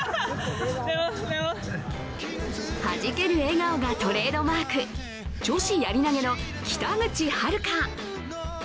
はじける笑顔がトレードマーク、女子やり投の北口榛花。